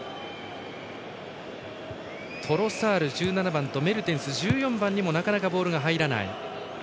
トロサール、１７番とメルテンス１４番にも、なかなかボールが入らない。